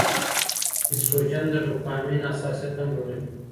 ایسټروجن د ډوپامین حساسیت هم لوړوي.